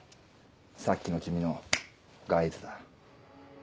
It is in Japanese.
さっきの君の。が合図だ。